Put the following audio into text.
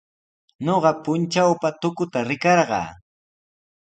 Ñuqa puntrawpa tukuta rikarqaa.